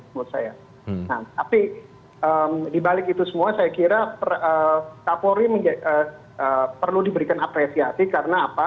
nah tapi dibalik itu semua saya kira kapolri perlu diberikan apresiasi karena apa